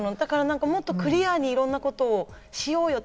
もっとクリアにいろんなことをしようよって。